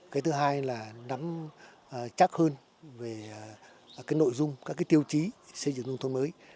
cái thứ hai là nắm chắc hơn về nội dung các tiêu chí xây dựng nông thôn mới